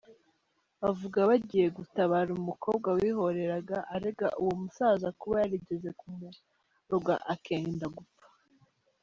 Bavuga bagiye gutabara umukobwa wihoreraga arega uwo musaza kuba yarigeze kumuroga akenda gupfa.